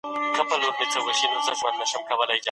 ایا ملي بڼوال پسته پروسس کوي؟